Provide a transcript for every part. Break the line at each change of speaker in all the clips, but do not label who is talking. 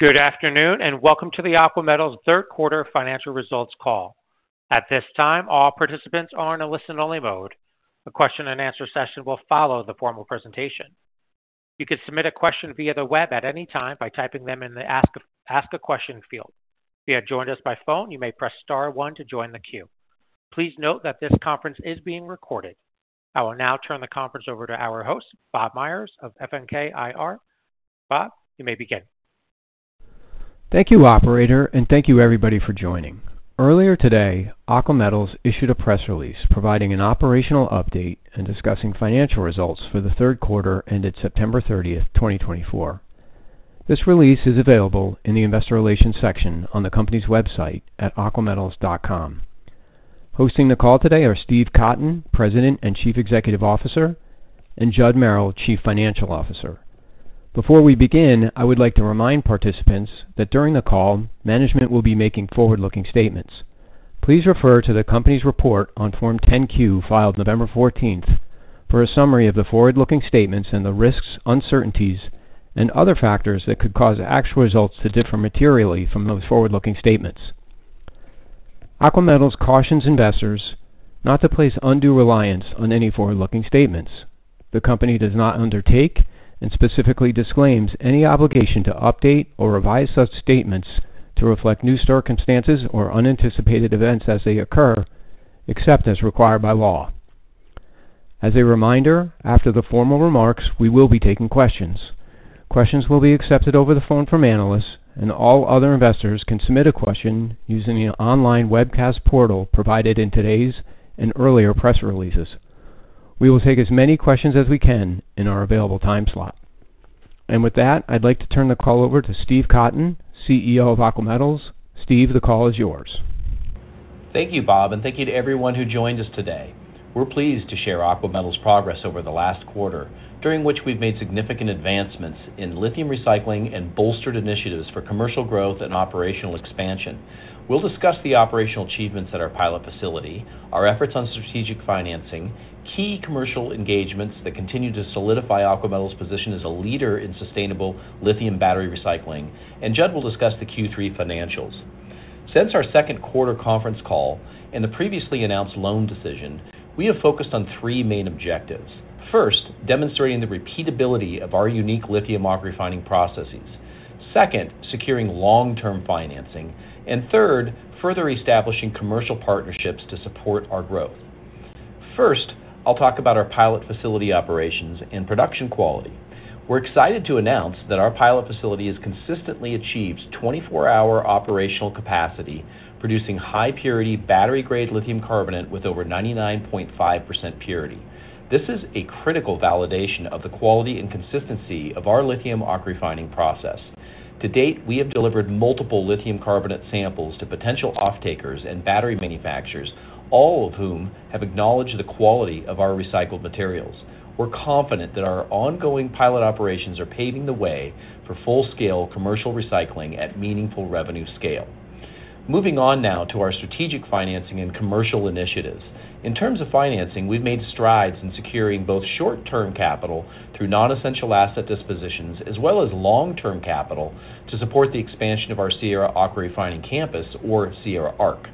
Good afternoon and welcome to the Aqua Metals third quarter financial results call. At this time, all participants are in a listen-only mode. A question-and-answer session will follow the formal presentation. You can submit a question via the web at any time by typing them in the Ask a Question field. If you have joined us by phone, you may press star one to join the queue. Please note that this conference is being recorded. I will now turn the conference over to our host, Bob Meyers of FNK IR. Bob, you may begin.
Thank you, Operator, and thank you, everybody, for joining. Earlier today, Aqua Metals issued a press release providing an operational update and discussing financial results for the third quarter ended September 30th, 2024. This release is available in the investor relations section on the company's website at aquametals.com. Hosting the call today are Steve Cotton, President and Chief Executive Officer, and Judd Merrill, Chief Financial Officer. Before we begin, I would like to remind participants that during the call, management will be making forward-looking statements. Please refer to the company's report on Form 10-Q filed November 14th for a summary of the forward-looking statements and the risks, uncertainties, and other factors that could cause actual results to differ materially from those forward-looking statements. Aqua Metals cautions investors not to place undue reliance on any forward-looking statements. The company does not undertake and specifically disclaims any obligation to update or revise such statements to reflect new circumstances or unanticipated events as they occur, except as required by law. As a reminder, after the formal remarks, we will be taking questions. Questions will be accepted over the phone from analysts, and all other investors can submit a question using the online webcast portal provided in today's and earlier press releases. We will take as many questions as we can in our available time slot. And with that, I'd like to turn the call over to Steve Cotton, CEO of Aqua Metals. Steve, the call is yours.
Thank you, Bob, and thank you to everyone who joined us today. We're pleased to share Aqua Metals' progress over the last quarter, during which we've made significant advancements in lithium recycling and bolstered initiatives for commercial growth and operational expansion. We'll discuss the operational achievements at our pilot facility, our efforts on strategic financing, key commercial engagements that continue to solidify Aqua Metals' position as a leader in sustainable lithium battery recycling, and Judd will discuss the Q3 financials. Since our second quarter conference call and the previously announced loan decision, we have focused on three main objectives. First, demonstrating the repeatability of our unique lithium AquaRefining processes. Second, securing long-term financing. And third, further establishing commercial partnerships to support our growth. First, I'll talk about our pilot facility operations and production quality. We're excited to announce that our pilot facility has consistently achieved 24-hour operational capacity, producing high-purity battery-grade lithium carbonate with over 99.5% purity. This is a critical validation of the quality and consistency of our lithium AquaRefining process. To date, we have delivered multiple lithium carbonate samples to potential off-takers and battery manufacturers, all of whom have acknowledged the quality of our recycled materials. We're confident that our ongoing pilot operations are paving the way for full-scale commercial recycling at meaningful revenue scale. Moving on now to our strategic financing and commercial initiatives. In terms of financing, we've made strides in securing both short-term capital through non-essential asset dispositions as well as long-term capital to support the expansion of our Sierra AquaRefining Campus, or Sierra Arc.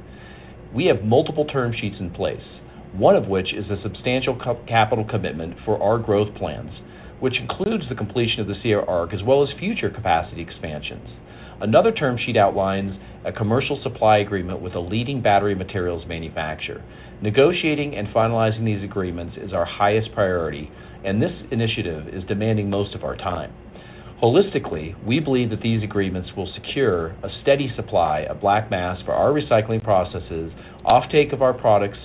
We have multiple term sheets in place, one of which is a substantial capital commitment for our growth plans, which includes the completion of the Sierra Arc as well as future capacity expansions. Another term sheet outlines a commercial supply agreement with a leading battery materials manufacturer. Negotiating and finalizing these agreements is our highest priority, and this initiative is demanding most of our time. Holistically, we believe that these agreements will secure a steady supply of black mass for our recycling processes, off-take of our products,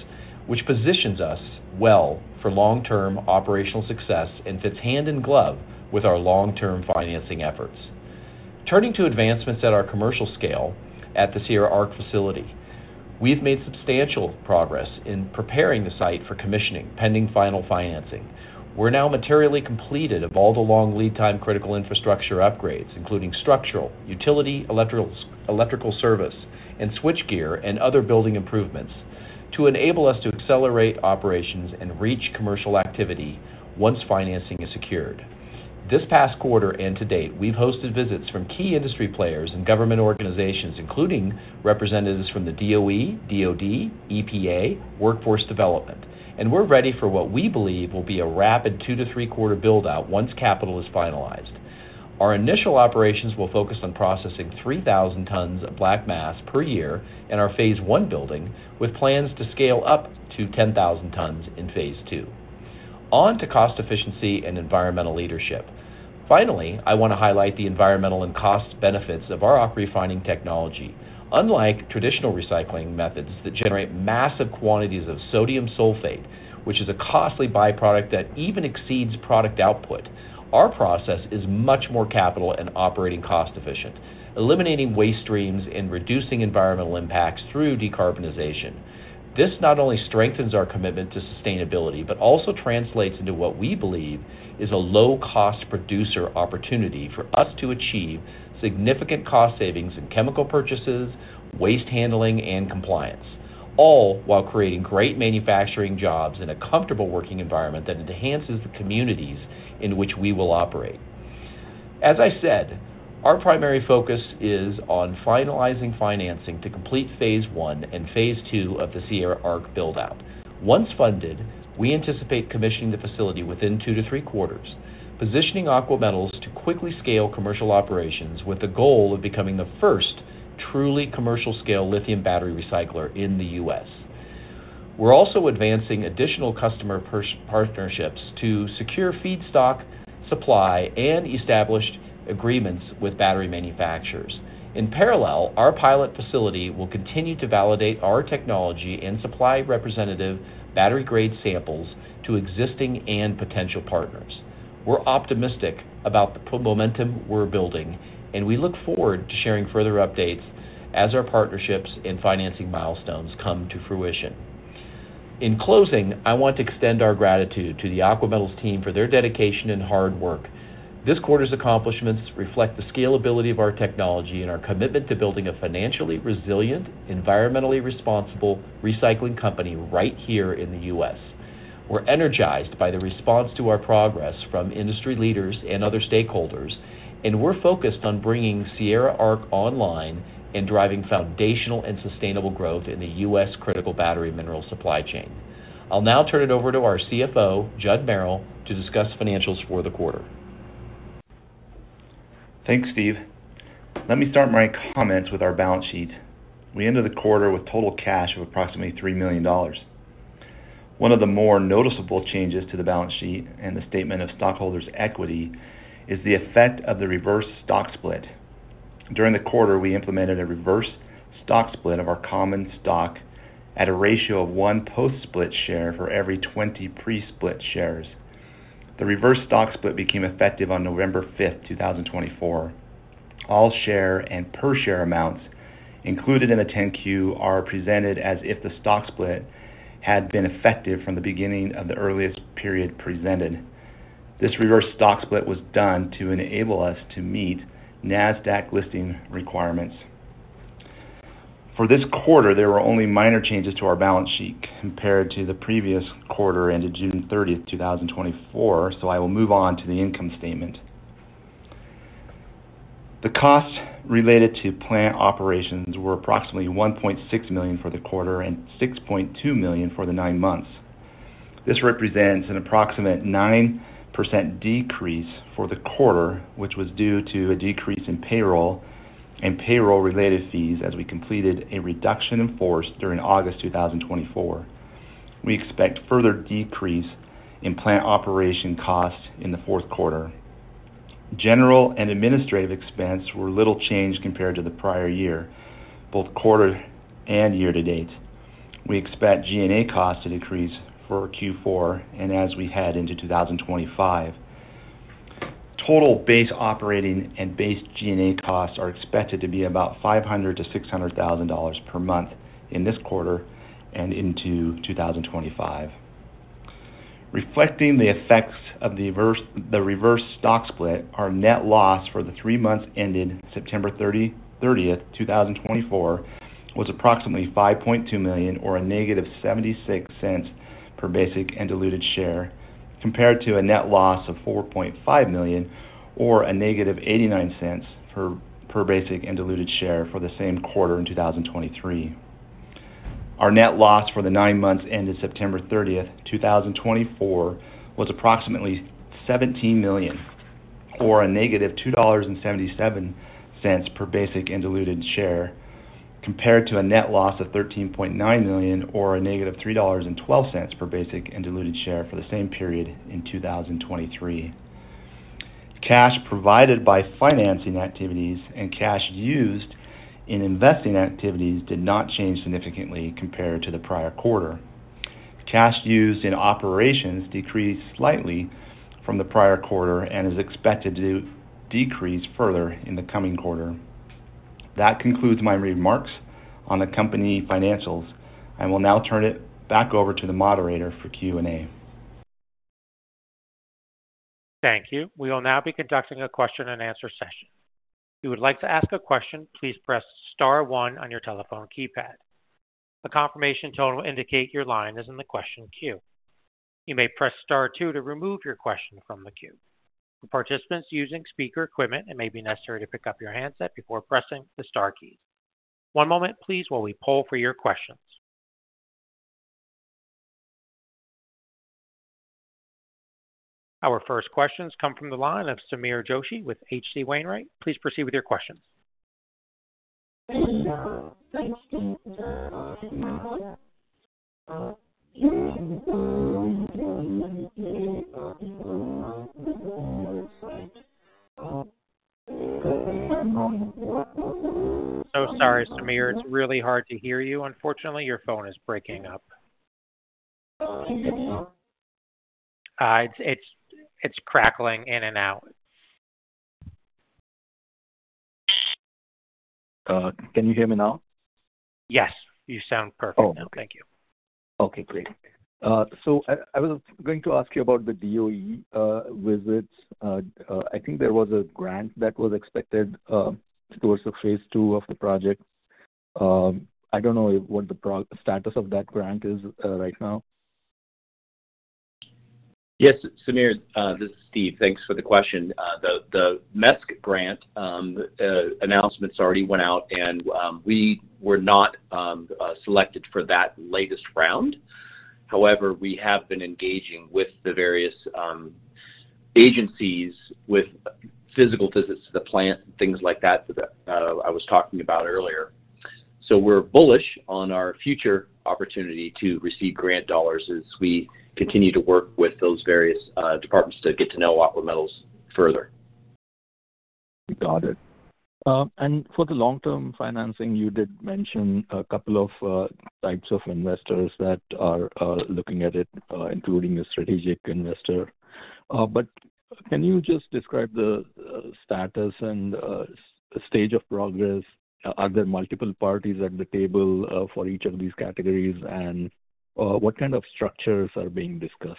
which positions us well for long-term operational success and fits hand in glove with our long-term financing efforts. Turning to advancements at our commercial scale at the Sierra Arc facility, we've made substantial progress in preparing the site for commissioning pending final financing. We're now materially completed of all the long lead-time critical infrastructure upgrades, including structural, utility, electrical service, and switchgear, and other building improvements to enable us to accelerate operations and reach commercial activity once financing is secured. This past quarter and to date, we've hosted visits from key industry players and government organizations, including representatives from the DOE, DOD, EPA, and Workforce Development, and we're ready for what we believe will be a rapid two to three-quarter build-out once capital is finalized. Our initial operations will focus on processing 3,000 tons of black mass per year in our phase one building, with plans to scale up to 10,000 tons in phase two. On to cost efficiency and environmental leadership. Finally, I want to highlight the environmental and cost benefits of our AquaRefining technology. Unlike traditional recycling methods that generate massive quantities of sodium sulfate, which is a costly byproduct that even exceeds product output, our process is much more capital and operating cost efficient, eliminating waste streams and reducing environmental impacts through decarbonization. This not only strengthens our commitment to sustainability but also translates into what we believe is a low-cost producer opportunity for us to achieve significant cost savings in chemical purchases, waste handling, and compliance, all while creating great manufacturing jobs and a comfortable working environment that enhances the communities in which we will operate. As I said, our primary focus is on finalizing financing to complete phase I and phase two of the Sierra Arc build-out. Once funded, we anticipate commissioning the facility within two to three quarters, positioning Aqua Metals to quickly scale commercial operations with the goal of becoming the first truly commercial-scale lithium battery recycler in the U.S. We're also advancing additional customer partnerships to secure feedstock supply and established agreements with battery manufacturers. In parallel, our pilot facility will continue to validate our technology and supply representative battery-grade samples to existing and potential partners. We're optimistic about the momentum we're building, and we look forward to sharing further updates as our partnerships and financing milestones come to fruition. In closing, I want to extend our gratitude to the Aqua Metals team for their dedication and hard work. This quarter's accomplishments reflect the scalability of our technology and our commitment to building a financially resilient, environmentally responsible recycling company right here in the U.S. We're energized by the response to our progress from industry leaders and other stakeholders, and we're focused on bringing Sierra Arc online and driving foundational and sustainable growth in the U.S. critical battery mineral supply chain. I'll now turn it over to our CFO, Judd Merrill, to discuss financials for the quarter.
Thanks, Steve. Let me start my comments with our balance sheet. We ended the quarter with total cash of approximately $3 million. One of the more noticeable changes to the balance sheet and the statement of stockholders' equity is the effect of the reverse stock split. During the quarter, we implemented a reverse stock split of our common stock at a ratio of one post-split share for every 20 pre-split shares. The reverse stock split became effective on November 5th, 2024. All share and per-share amounts included in the 10-Q are presented as if the stock split had been effective from the beginning of the earliest period presented. This reverse stock split was done to enable us to meet NASDAQ listing requirements. For this quarter, there were only minor changes to our balance sheet compared to the previous quarter ended June 30th, 2024, so I will move on to the income statement. The costs related to plant operations were approximately $1.6 million for the quarter and $6.2 million for the nine months. This represents an approximate 9% decrease for the quarter, which was due to a decrease in payroll and payroll-related fees as we completed a reduction in force during August 2024. We expect further decrease in plant operation costs in the fourth quarter. General and administrative expenses were little changed compared to the prior year, both quarter and year to date. We expect G&A costs to decrease for Q4 and as we head into 2025. Total base operating and base G&A costs are expected to be about $500,000-$600,000 per month in this quarter and into 2025. Reflecting the effects of the reverse stock split, our net loss for the three months ended September 30th, 2024, was approximately $5.2 million or a negative $0.76 per basic and diluted share compared to a net loss of $4.5 million or a negative $0.89 per basic and diluted share for the same quarter in 2023. Our net loss for the nine months ended September 30th, 2024, was approximately $17 million or a negative $2.77 per basic and diluted share compared to a net loss of $13.9 million or a negative $3.12 per basic and diluted share for the same period in 2023. Cash provided by financing activities and cash used in investing activities did not change significantly compared to the prior quarter. Cash used in operations decreased slightly from the prior quarter and is expected to decrease further in the coming quarter. That concludes my remarks on the company financials. I will now turn it back over to the Moderator for Q&A.
Thank you. We will now be conducting a question-and-answer session. If you would like to ask a question, please press star one on your telephone keypad. A confirmation tone will indicate your line is in the question queue. You may press star two to remove your question from the queue. For participants using speaker equipment, it may be necessary to pick up your handset before pressing the star keys. One moment, please, while we poll for your questions. Our first questions come from the line of Sameer Joshi with H.C. Wainwright. Please proceed with your questions.
[inaudible]
So sorry, Sameer. It's really hard to hear you. Unfortunately, your phone is breaking up.
[inaudible]
It's crackling in and out.
Can you hear me now?
Yes. You sound perfect now. Thank you.
Okay. Great. So I was going to ask you about the DOE visits. I think there was a grant that was expected towards the phase two of the project. I don't know what the status of that grant is right now.
Yes, Samir, this is Steve. Thanks for the question. The MESC grant announcements already went out, and we were not selected for that latest round. However, we have been engaging with the various agencies with physical visits to the plant, things like that that I was talking about earlier. So we're bullish on our future opportunity to receive grant dollars as we continue to work with those various departments to get to know Aqua Metals further.
Got it. And for the long-term financing, you did mention a couple of types of investors that are looking at it, including a strategic investor. But can you just describe the status and stage of progress? Are there multiple parties at the table for each of these categories, and what kind of structures are being discussed?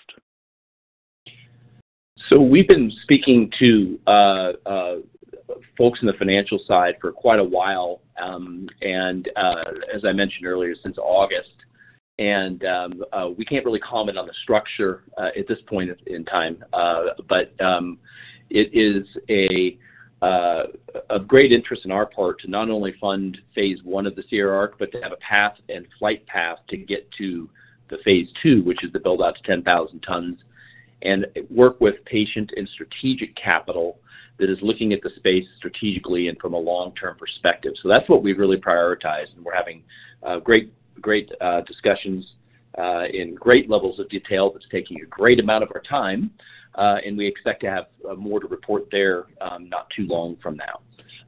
So we've been speaking to folks on the financial side for quite a while, and as I mentioned earlier, since August, and we can't really comment on the structure at this point in time, but it is of great interest on our part to not only fund phase one of the Sierra Arc but to have a path and flight path to get to the phase two, which is the build-out to 10,000 tons, and work with patient and strategic capital that is looking at the space strategically and from a long-term perspective, so that's what we've really prioritized, and we're having great discussions in great levels of detail. It's taking a great amount of our time, and we expect to have more to report there not too long from now.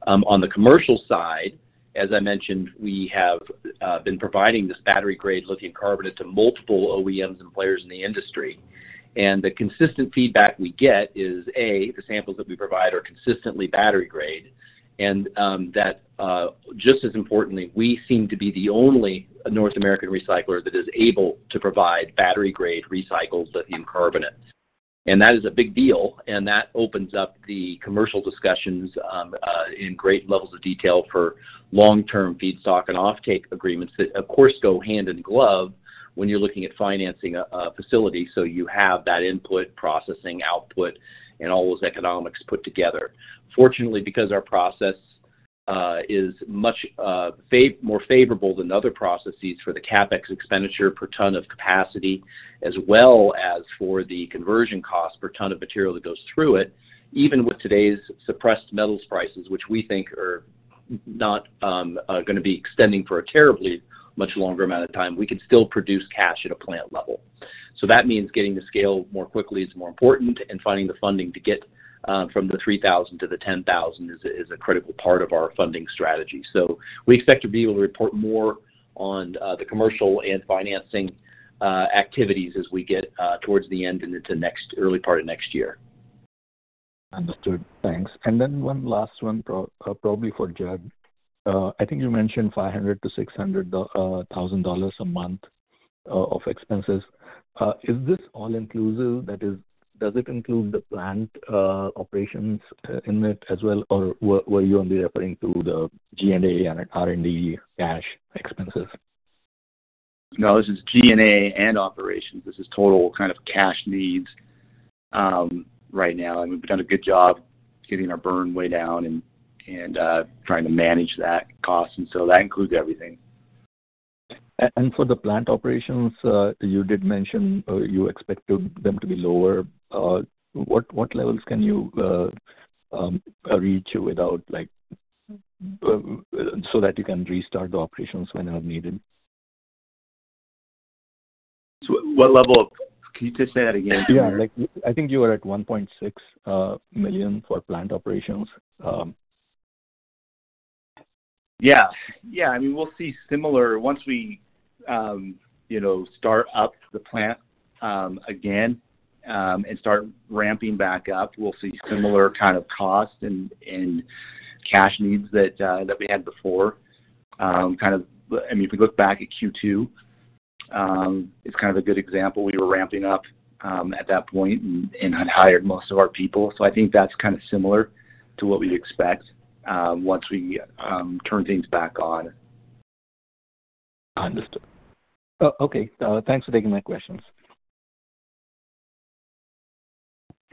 On the commercial side, as I mentioned, we have been providing this battery-grade lithium carbonate to multiple OEMs and players in the industry. And the consistent feedback we get is, A, the samples that we provide are consistently battery-grade, and that just as importantly, we seem to be the only North American recycler that is able to provide battery-grade recycled lithium carbonate. And that is a big deal, and that opens up the commercial discussions in great levels of detail for long-term feedstock and off-take agreements that, of course, go hand in glove when you're looking at financing a facility so you have that input, processing, output, and all those economics put together. Fortunately, because our process is much more favorable than other processes for the CapEx expenditure per ton of capacity, as well as for the conversion cost per ton of material that goes through it, even with today's suppressed metals prices, which we think are not going to be extending for a terribly much longer amount of time, we can still produce cash at a plant level. So that means getting to scale more quickly is more important, and finding the funding to get from the 3,000 to the 10,000 is a critical part of our funding strategy. So we expect to be able to report more on the commercial and financing activities as we get towards the end and into the early part of next year.
Understood. Thanks. And then one last one, probably for Judd. I think you mentioned $500,000-$600,000 a month of expenses. Is this all-inclusive? That is, does it include the plant operations in it as well, or were you only referring to the G&A and R&D cash expenses?
No, this is G&A and operations. This is total kind of cash needs right now. And we've done a good job getting our burn way down and trying to manage that cost. And so that includes everything.
For the plant operations, you did mention you expected them to be lower. What levels can you reach so that you can restart the operations when needed?
Can you just say that again?
Yeah. I think you were at $1.6 million for plant operations.
Yeah. Yeah. I mean, we'll see similar once we start up the plant again and start ramping back up. We'll see similar kind of cost and cash needs that we had before. Kind of, I mean, if we look back at Q2, it's kind of a good example. We were ramping up at that point and had hired most of our people. So I think that's kind of similar to what we expect once we turn things back on.
Understood. Oh, okay. Thanks for taking my questions.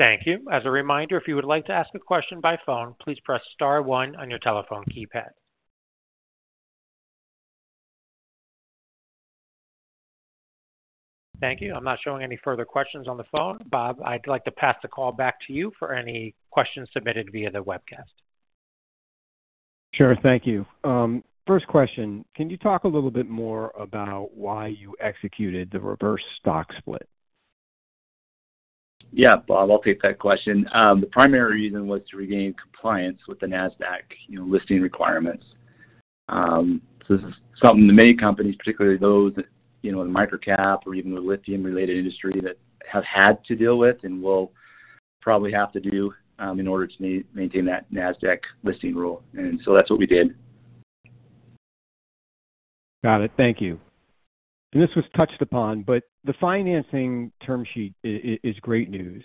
Thank you. As a reminder, if you would like to ask a question by phone, please press star one on your telephone keypad. Thank you. I'm not showing any further questions on the phone. Bob, I'd like to pass the call back to you for any questions submitted via the webcast.
Sure. Thank you. First question, can you talk a little bit more about why you executed the reverse stock split?
Yeah, Bob, I'll take that question. The primary reason was to regain compliance with the NASDAQ listing requirements. So this is something that many companies, particularly those in the microcap or even the lithium-related industry, have had to deal with and will probably have to do in order to maintain that NASDAQ listing rule. And so that's what we did.
Got it. Thank you. And this was touched upon, but the financing term sheet is great news.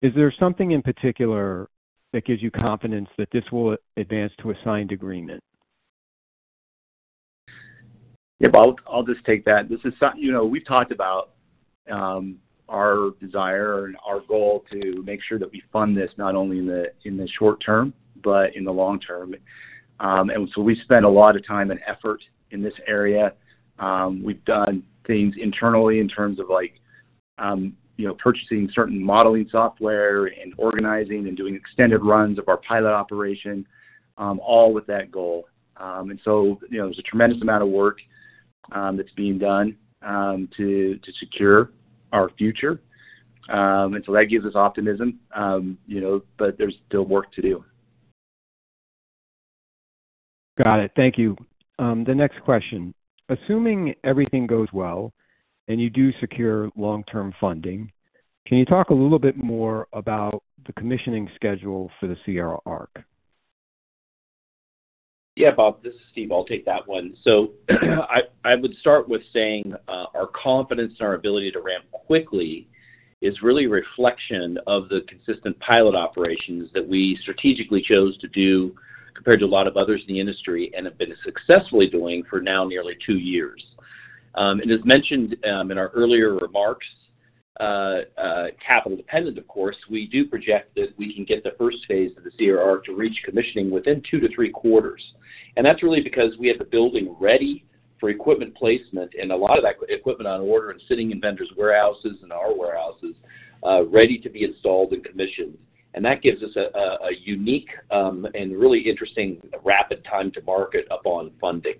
Is there something in particular that gives you confidence that this will advance to a signed agreement?
Yeah, Bob, I'll just take that. We've talked about our desire and our goal to make sure that we fund this not only in the short term but in the long term, and so we spend a lot of time and effort in this area. We've done things internally in terms of purchasing certain modeling software and organizing and doing extended runs of our pilot operation, all with that goal, and so there's a tremendous amount of work that's being done to secure our future, and so that gives us optimism, but there's still work to do.
Got it. Thank you. The next question, assuming everything goes well and you do secure long-term funding, can you talk a little bit more about the commissioning schedule for the Sierra Arc?
Yeah, Bob, this is Steve. I'll take that one, so I would start with saying our confidence in our ability to ramp quickly is really a reflection of the consistent pilot operations that we strategically chose to do compared to a lot of others in the industry and have been successfully doing for now nearly two years, and as mentioned in our earlier remarks, capital-dependent of course, we do project that we can get the first phase of the Sierra Arc to reach commissioning within two to three quarters, and that's really because we have the building ready for equipment placement, and a lot of that equipment on order and sitting in vendors' warehouses and our warehouses ready to be installed and commissioned, and that gives us a unique and really interesting rapid time-to-market up on funding.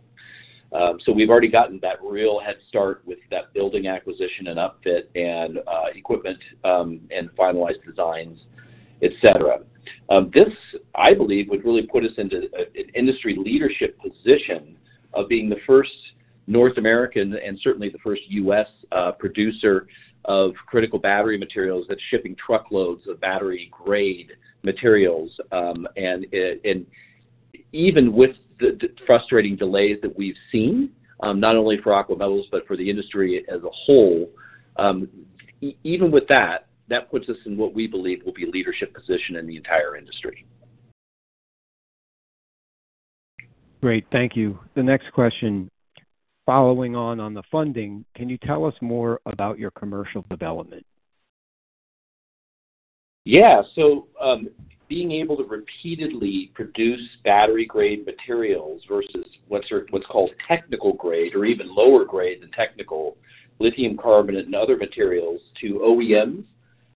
So we've already gotten that real head start with that building acquisition and upfit and equipment and finalized designs, etc. This, I believe, would really put us into an industry leadership position of being the first North American and certainly the first U.S. producer of critical battery materials that's shipping truckloads of battery-grade materials. And even with the frustrating delays that we've seen, not only for Aqua Metals but for the industry as a whole, even with that, that puts us in what we believe will be a leadership position in the entire industry.
Great. Thank you. The next question, following on the funding, can you tell us more about your commercial development?
Yeah, so being able to repeatedly produce battery-grade materials versus what's called technical grade or even lower grade than technical lithium carbonate and other materials to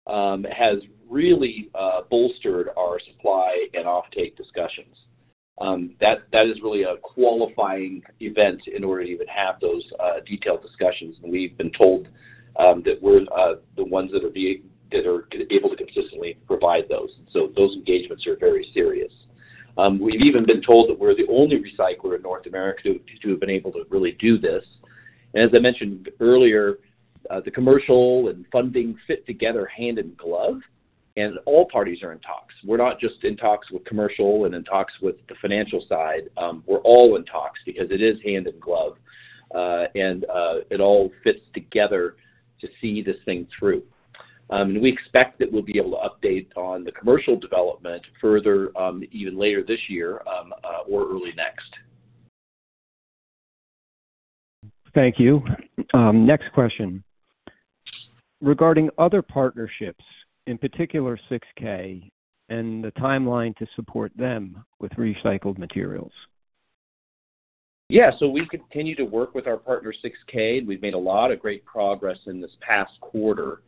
OEMs has really bolstered our supply and off-take discussions. That is really a qualifying event in order to even have those detailed discussions, and we've been told that we're the ones that are able to consistently provide those, and so those engagements are very serious. We've even been told that we're the only recycler in North America to have been able to really do this, and as I mentioned earlier, the commercial and funding fit together hand in glove, and all parties are in talks. We're not just in talks with commercial and in talks with the financial side. We're all in talks because it is hand in glove, and it all fits together to see this thing through. We expect that we'll be able to update on the commercial development further even later this year or early next.
Thank you. Next question, regarding other partnerships, in particular 6K, and the timeline to support them with recycled materials.
Yeah. So we continue to work with our partner 6K, and we've made a lot of great progress in this past quarter.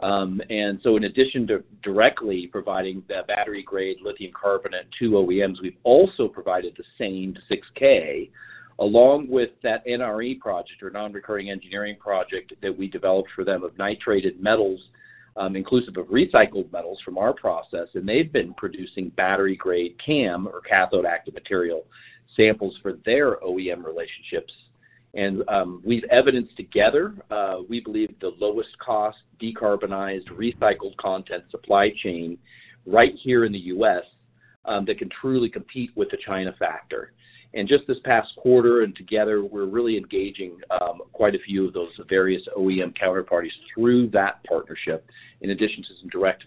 And so in addition to directly providing the battery-grade lithium carbonate to OEMs, we've also provided the same to 6K along with that NRE project or non-recurring engineering project that we developed for them of nitrated metals, inclusive of recycled metals from our process. And they've been producing battery-grade CAM or cathode-active material samples for their OEM relationships. And we've evidenced together, we believe, the lowest-cost decarbonized recycled content supply chain right here in the U.S. that can truly compete with the China factor. And just this past quarter and together, we're really engaging quite a few of those various OEM counterparties through that partnership in addition to some direct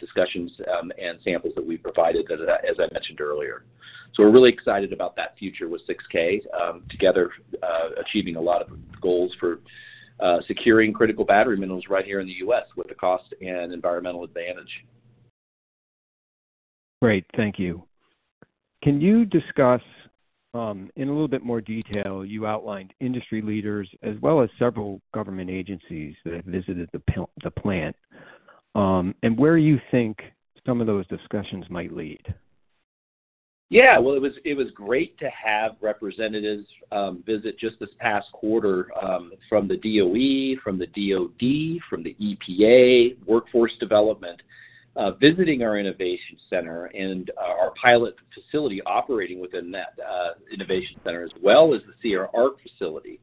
discussions and samples that we've provided, as I mentioned earlier. So we're really excited about that future with 6K, together achieving a lot of goals for securing critical battery minerals right here in the U.S. with the cost and environmental advantage.
Great. Thank you. Can you discuss in a little bit more detail? You outlined industry leaders as well as several government agencies that have visited the plant, and where do you think some of those discussions might lead?
Yeah. Well, it was great to have representatives visit just this past quarter from the DOE, from the DOD, from the EPA, Workforce Development, visiting our innovation center and our pilot facility operating within that innovation center as well as the Sierra Arc facility.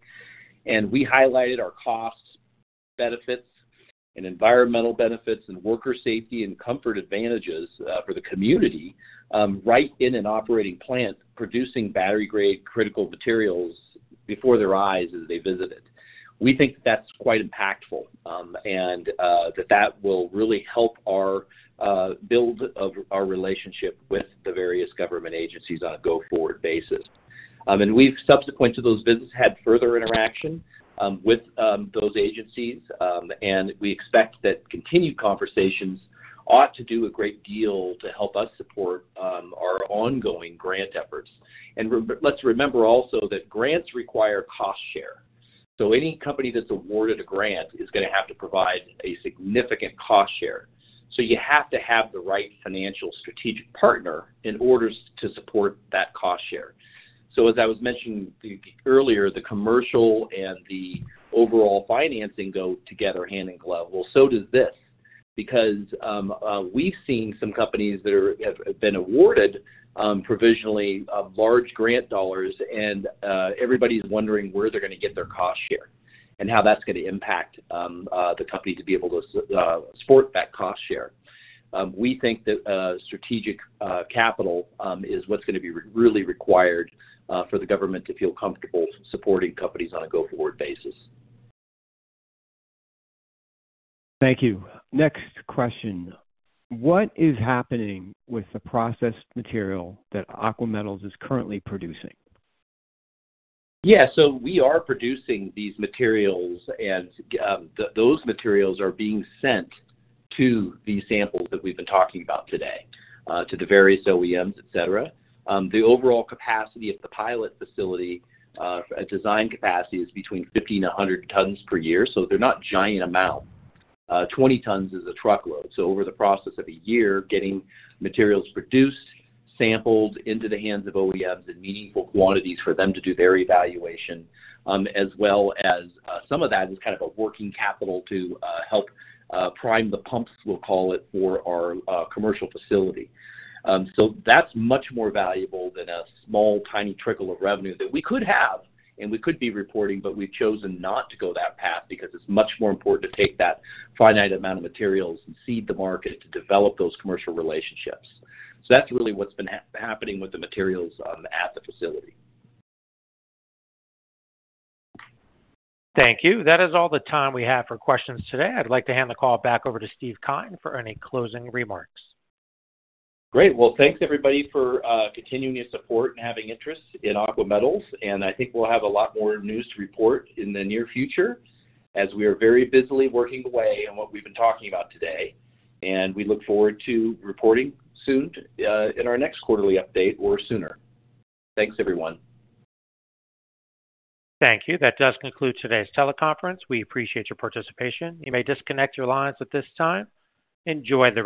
And we highlighted our cost benefits and environmental benefits and worker safety and comfort advantages for the community right in an operating plant producing battery-grade critical materials before their eyes as they visited. We think that that's quite impactful and that that will really help build our relationship with the various government agencies on a go-forward basis. And we've subsequent to those visits had further interaction with those agencies, and we expect that continued conversations ought to do a great deal to help us support our ongoing grant efforts. And let's remember also that grants require cost share. So any company that's awarded a grant is going to have to provide a significant cost share. So you have to have the right financial strategic partner in order to support that cost share. So as I was mentioning earlier, the commercial and the overall financing go together hand in glove. Well, so does this because we've seen some companies that have been awarded provisionally large grant dollars, and everybody's wondering where they're going to get their cost share and how that's going to impact the company to be able to support that cost share. We think that strategic capital is what's going to be really required for the government to feel comfortable supporting companies on a go-forward basis.
Thank you. Next question, what is happening with the processed material that Aqua Metals is currently producing?
Yeah. So we are producing these materials, and those materials are being sent to these samples that we've been talking about today to the various OEMs, etc. The overall capacity of the pilot facility, design capacity is between 50 and 100 tons per year. So they're not giant amounts. 20 tons is a truckload. So over the process of a year, getting materials produced, sampled into the hands of OEMs in meaningful quantities for them to do their evaluation, as well as some of that is kind of a working capital to help prime the pumps, we'll call it, for our commercial facility. So that's much more valuable than a small, tiny trickle of revenue that we could have and we could be reporting, but we've chosen not to go that path because it's much more important to take that finite amount of materials and seed the market to develop those commercial relationships. So that's really what's been happening with the materials at the facility.
Thank you. That is all the time we have for questions today. I'd like to hand the call back over to Steve Cotton for any closing remarks.
Great. Well, thanks, everybody, for continuing your support and having interest in Aqua Metals. And I think we'll have a lot more news to report in the near future as we are very busily working away on what we've been talking about today. And we look forward to reporting soon in our next quarterly update or sooner. Thanks, everyone.
Thank you. That does conclude today's teleconference. We appreciate your participation. You may disconnect your lines at this time. Enjoy the.